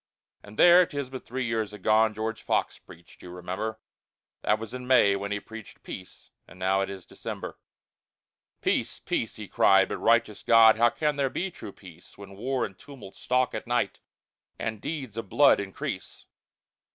And there, 'tis but three years agone, George Fox preached, you remember; That was in May when he preached peace, And now it is December. Peace, peace, he cried, but righteous God, How can there be true peace, When war and tumult stalk at night, And deeds of blood increase?